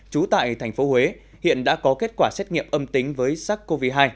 trú tại thành phố huế hiện đã có kết quả xét nghiệm âm tính với sars cov hai